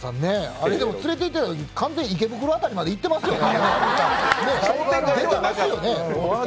あれ、連れていってたとき、完全に池袋辺りまで行ってましたよね。